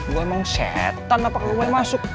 gue emang setan kenapa gue masuk